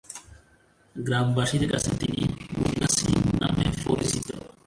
গ্রামবাসীদের কাছে তিনি মুন্না সিং নামে পরিচিত।